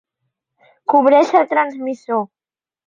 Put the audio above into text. Cobreix el transmissor!